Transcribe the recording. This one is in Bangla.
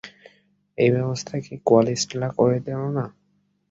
এই ব্যবস্থা কি কোয়ালিস্টরা করে দিল না?